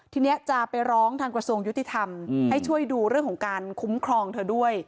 ทีนี้จะไปร้องทางกระทรวงยุติธรรมให้ช่วยดูเรื่องของการคุ้มครองเธอด้วย